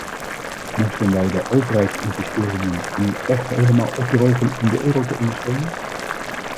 Moesten wij de overheidsinvesteringen nu echt helemaal opdrogen om de euro te ondersteunen?